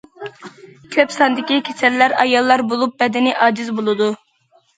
كۆپ ساندىكى كېسەللەر ئاياللار بولۇپ، بەدىنى ئاجىز بولىدۇ.